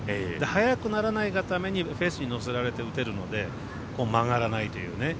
速くならないがためにフェースに乗せられて打てるので曲がらないというね。